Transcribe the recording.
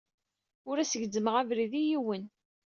Ur as-gezzmeɣ abrid i yiwen.